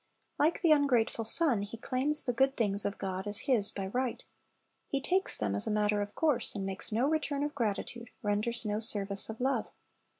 Like the ungrateful son, he claims the good things of God as his by right. He takes them as a matter of course, and makes no return of gratitude, renders no service of love.